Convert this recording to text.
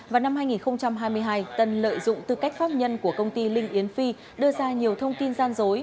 vào năm hai nghìn hai mươi hai tân lợi dụng tư cách pháp nhân của công ty linh yến phi đưa ra nhiều thông tin gian dối